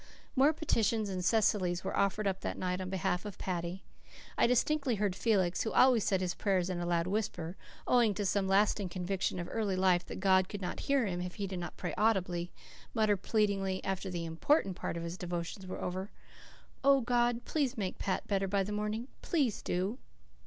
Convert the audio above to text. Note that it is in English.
More petitions than Cecily's were offered up that night on behalf of Paddy. I distinctly heard Felix who always said his prayers in a loud whisper, owing to some lasting conviction of early life that God could not hear him if he did not pray audibly mutter pleadingly, after the "important" part of his devotions was over, "Oh, God, please make Pat better by the morning. PLEASE do."